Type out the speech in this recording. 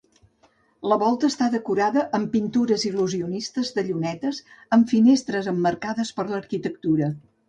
La volta està decorada amb pintures il·lusionistes de llunetes amb finestres emmarcades per arquitectura.